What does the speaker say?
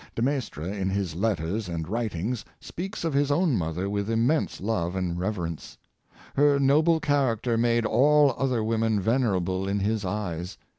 De Maistre, in his letters and writings, speaks of his own mother with immense love and reverence. Her noble character made all other women venerable in his eyes.